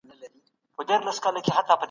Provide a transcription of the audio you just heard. هغه خو ما د خپل زړګي